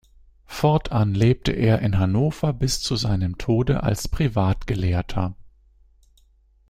Fortan lebte er in Hannover bis zu seinem Tode als Privatgelehrter.